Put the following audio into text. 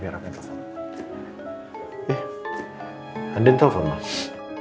eh andin telfon mbak